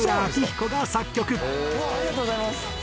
「うわあありがとうございます！」